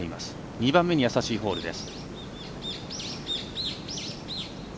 ２番目にやさしいホールです。